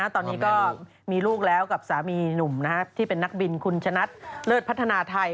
ตอนนี้ก็มีลูกแล้วกับสามีหนุ่มที่เป็นนักบินคุณชนะเลิศพัฒนาไทย